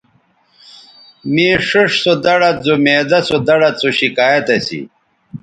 مے ݜیئݜ سو دڑد زو معدہ سو دڑد سو شکایت اسی